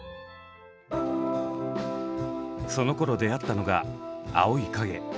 そのころ出会ったのが「青い影」。